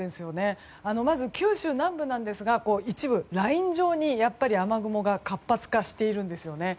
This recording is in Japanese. まず九州南部なんですが一部ライン状にやはり雨雲が活発化しているんですよね。